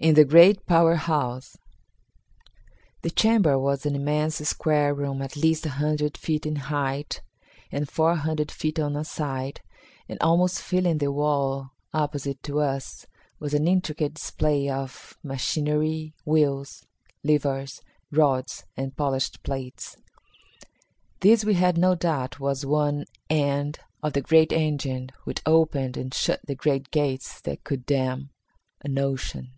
In the Great Power House. The chamber was an immense square room at least a hundred feet in height and 400 feet on a side, and almost filling the wall opposite to us was an intricate display of machinery, wheels, levers, rods and polished plates. This we had no doubt was one end of the great engine which opened and shut the great gates that could dam an ocean.